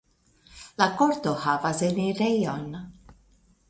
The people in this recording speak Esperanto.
La korto havas enirejon.